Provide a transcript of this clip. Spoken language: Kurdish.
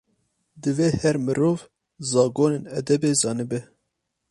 Divê her mirov, zagonên edebê zanibe.